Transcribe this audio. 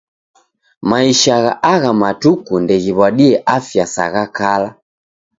Maisha gha agha matuku ndeghiw'adie afya sa gha kala.